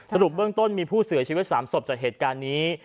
สรุปเบื้องต้นที่จะมีผู้เสื่อชีวิตสามศพจากแห่งการนี้